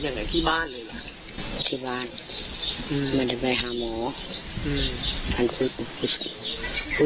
หลังจากนั้นนานก็เรากว่าจะตั้งผู้ก่อเหตุมาตั้งทัพที่หรือ